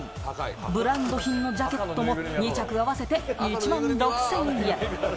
ブランド品のジャケットも２着合わせて１万６０００円。